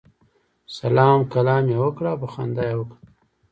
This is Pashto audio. سلام کلام یې وکړ او په خندا یې وکتل.